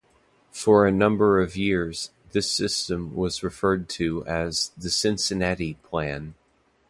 For a number of years, this system was referred to as The Cincinnati Plan.